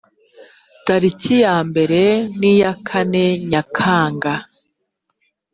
tariki yambere n iya kane nyakanga